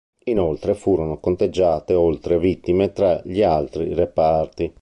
Inoltre furono conteggiate oltre vittime tra gli altri reparti.